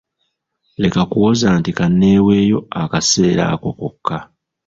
Leka kuwoza nti kanneeeweeyo akaseera ako kokka.